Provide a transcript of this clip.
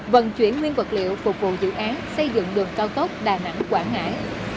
vận chuyển nguyên vật liệu phục vụ dự án xây dựng đường cao tốc đà nẵng quảng ngãi